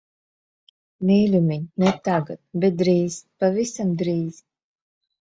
Mīļumiņ, ne tagad. Bet drīz, pavisam drīz.